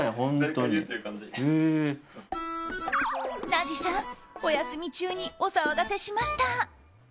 ナジさん、お休み中にお騒がせしました。